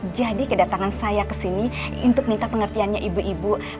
jadi kedatangan saya ke sini untuk minta pengertiannya ibu ibu